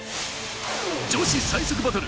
女子最速バトル。